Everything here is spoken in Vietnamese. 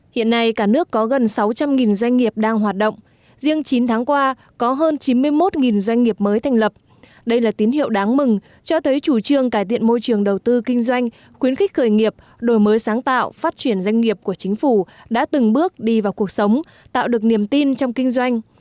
hiện nay cả nước có gần sáu trăm linh doanh nghiệp đang hoạt động riêng chín tháng qua có hơn chín mươi một doanh nghiệp mới thành lập đây là tín hiệu đáng mừng cho thấy chủ trương cải thiện môi trường đầu tư kinh doanh khuyến khích khởi nghiệp đổi mới sáng tạo phát triển doanh nghiệp của chính phủ đã từng bước đi vào cuộc sống tạo được niềm tin trong kinh doanh